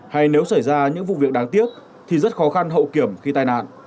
hay nếu xảy ra những vụ việc đáng tiếc thì rất khó khăn hậu kiểm khi tai nạn